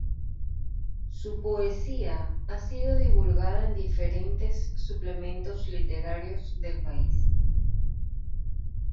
Su poesía ha sido divulgada en diferentes suplementos literarios del país.